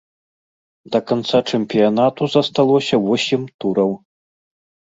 Да канца чэмпіянату засталося восем тураў.